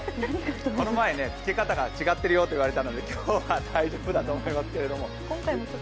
この前つけ方が違っているよと言われたので今日は大丈夫だと思いますけれども。